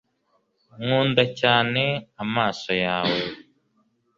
Nkunda cyane amaso yawe